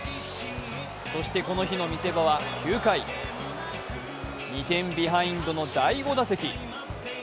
そしてこの日の見せ場は９回、２点ビハインドの第５打席。